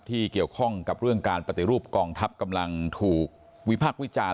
ที่เกี่ยวข้องกับเรื่องการปฏิรูปกองทัพกำลังถูกวิพักษ์วิจารณ์